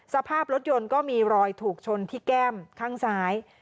สภาพรถยนต์ก็มีรอยถูกชนที่แก้มข้างซ้าย